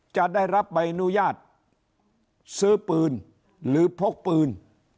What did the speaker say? จะได้รับใบอนุญาตซื้อปืนหรือพกปืน